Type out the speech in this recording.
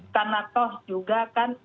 karena toh juga kan